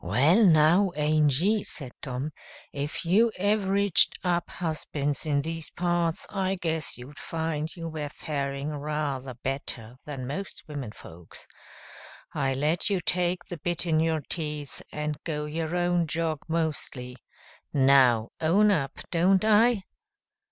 "Well now, Angy," said Tom, "if you averaged up husbands in these parts I guess you'd find you were faring rather better than most women folks. I let you take the bit in your teeth and go your own jog mostly. Now, own up, don't I?"